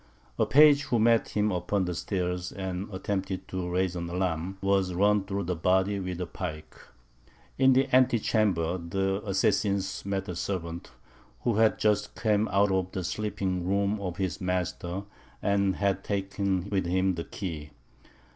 A page who met him upon the stairs, and attempted to raise an alarm, was run through the body with a pike. In the antichamber, the assassins met a servant, who had just come out of the sleeping room of his master, and had taken with him the key.